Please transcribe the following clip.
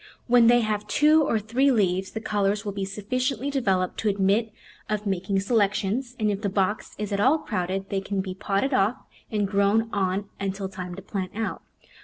When they have two or three leaves the colours will be sufficiently developed to admit of making selec tions, and if the box is at all crowded they can be potted off and grown on until time to plant out.